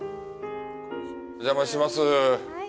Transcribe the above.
お邪魔します。